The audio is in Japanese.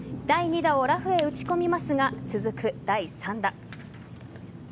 第２打をラフへ打ち込みますが続く第３打。